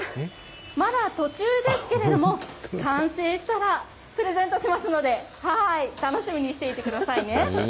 まだ途中ですけれども、完成したら、プレゼントしますので、楽しみにしていてくださいね。